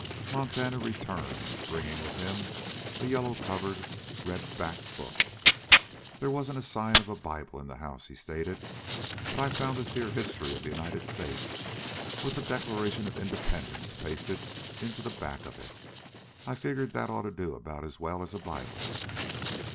Montana returned, bringing with him a yellow covered, red backed book. "They wasn't a sign of a Bible in the house," he stated, "but I found this here history of the United States, with the Declaration of Independence pasted into the back of it. I figured that ought to do about as well as a Bible."